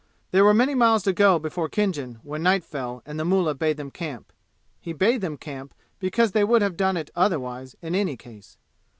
There were many miles to go before Khinjan when night fell and the mullah bade them camp. He bade them camp because they would have done it otherwise in any case.